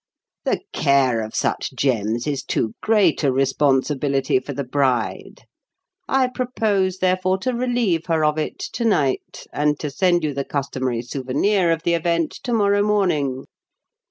The care of such gems is too great a responsibility for the bride. I propose, therefore, to relieve her of it to night, and to send you the customary souvenir of the event to morrow morning.